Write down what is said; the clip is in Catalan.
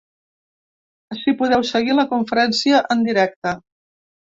Ací podeu seguir la conferència en directe.